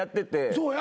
そうや。